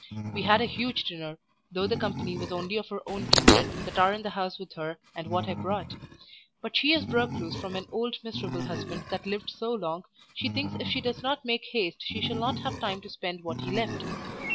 We had a huge dinner, though the company was only of her own kindred that are in the house with her and what I brought; but she is broke loose from an old miserable husband that lived so long, she thinks if she does not make haste she shall not have time to spend what he left.